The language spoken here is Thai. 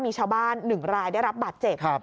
มีชาวบ้าน๑รายได้รับบาดเจ็บ